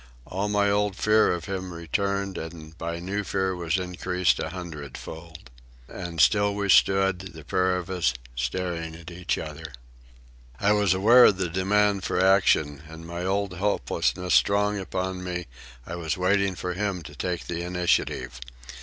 All my old fear of him returned and by my new fear was increased an hundred fold. And still we stood, the pair of us, staring at each other. I was aware of the demand for action, and, my old helplessness strong upon me, I was waiting for him to take the initiative.